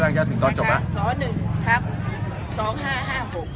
แล้วก็มีการฟ้องในสิ่งแวกของส่อ๑ทัพ๒๕๕๖